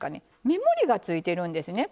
目盛りがついてるんですね